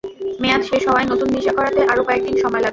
মেয়াদ শেষ হওয়ায় নতুন ভিসা করাতে আরও কয়েক দিন সময় লাগবে।